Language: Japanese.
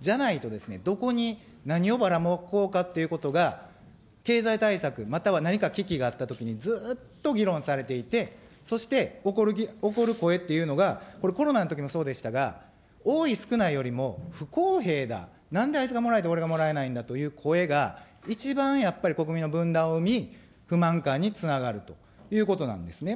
じゃないとですね、どこに何をばらまこうかっていうことが、経済対策、または何か危機があったときにずっと議論されていて、そして起こる声っていうのが、コロナのときもそうでしたが、多い、少ないよりも、不公平だ、なんであいつがもらえて、俺がもらえないんだという声が、一番やっぱり、国民の分断を生み、不満感につながるということなんですね。